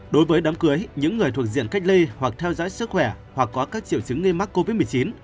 đối với đám cưới những người thuộc diện cách ly hoặc theo dõi sức khỏe hoặc có các triệu chứng nghi mắc covid một mươi chín